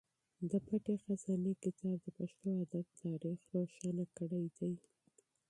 د پټې خزانې کتاب د پښتو ادب تاریخ روښانه کړی دی.